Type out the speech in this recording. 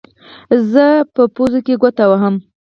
زه په پوزو کې ګوتې وهم.